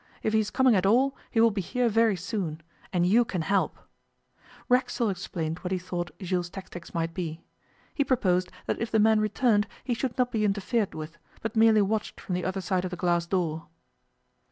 If he is coming at all he will be here very soon and you can help.' Racksole explained what he thought Jules' tactics might be. He proposed that if the man returned he should not be interfered with, but merely watched from the other side of the glass door.